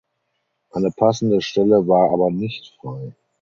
Eine passende Stelle war aber nicht frei.